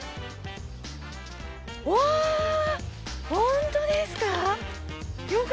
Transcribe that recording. うわぁー、本当ですか！